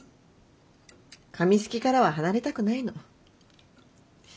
紙すきからは離れたくないの。